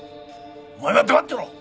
お前は黙ってろ！